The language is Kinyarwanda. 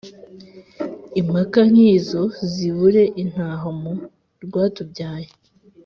Impaka nk’izo zibure intaho mu rwatubyaye